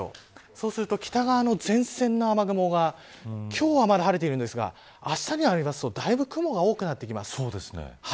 そうすると北側の前線の雨雲が今日はまだ晴れているんですがあしたになるとだいぶ雲が多くなってきます。